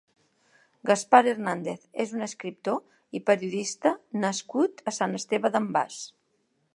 Gaspar Hernàndez és un escriptor i periodista nascut a Sant Esteve d'en Bas.